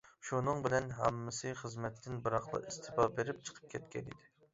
شۇنىڭ بىلەن ھاممىسى خىزمەتتىن بىراقلا ئىستېپا بېرىپ چىقىپ كەتكەنىدى.